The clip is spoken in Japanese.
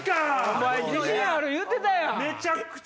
おまえ自信ある言うてたやん！